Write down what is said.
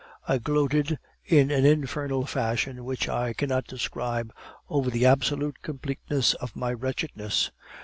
I gloated in an infernal fashion which I cannot describe over the absolute completeness of my wretchedness.